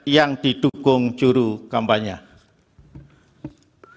yang didukung juru kampanye